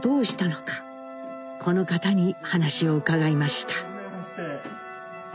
この方に話を伺いました。